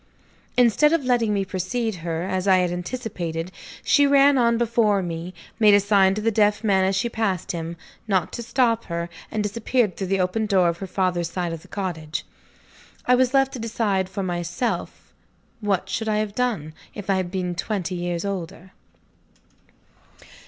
Instead of letting me precede her, as I had anticipated, she ran on before me made a sign to the deaf man, as she passed him, not to stop her and disappeared through the open door of her father's side of the cottage. I was left to decide for myself. What should I have done, if I had been twenty years older?